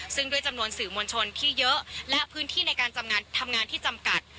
ซึ่งด้วยจำนวนสื่อมวลชนที่เยอะและพื้นที่ในการทำงานที่จำกัด